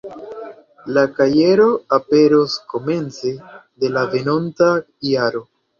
La kajero aperos komence de la venonta jaro.